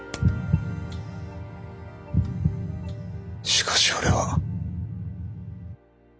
しかし俺は。